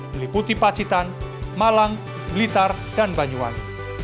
meliputi pacitan malang blitar dan banyuwangi